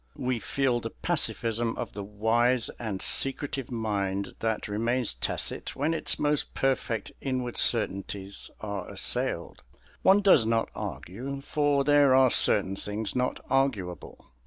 We feel the pacifism of the wise and secretive mind that remains tacit when its most perfect inward certainties are assailed. One does not argue, for there are certain things not arguable.